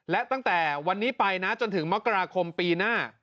และตั้งแต่วันนี้ไปนะจนถึงมกราคมปีหน้า